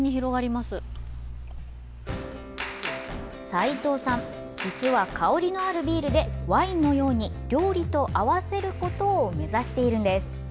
齋藤さん、実は香りのあるビールでワインのように料理と合わせることを目指しているんです。